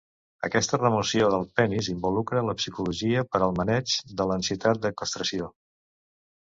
Aquesta remoció del penis involucra la psicologia, per al maneig de l'ansietat de castració.